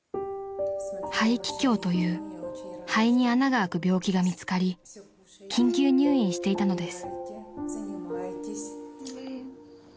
［肺気胸という肺に穴があく病気が見つかり緊急入院していたのです］